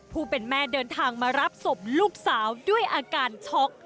ผู้เป็นแม่เดินทางมารับศพลูกสาวด้วยอาการช็อก